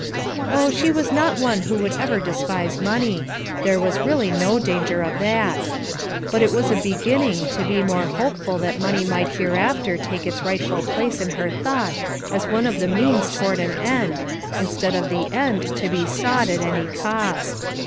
Oh, she was not one who would ever despise money; there was really no danger of that; but it was beginning to be more hopeful that money might hereafter take its rightful place in her thought as one of the means toward an end, in stead of the end to be sought at any cost.